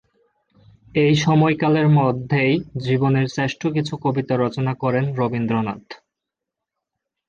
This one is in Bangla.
এই সময়কালের মধ্যেই জীবনের শ্রেষ্ঠ কিছু কবিতা রচনা করেন রবীন্দ্রনাথ।